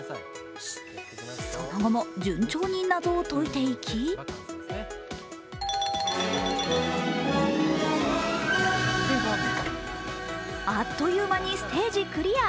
その後も順調に謎を解いていきあっという間にステージクリア！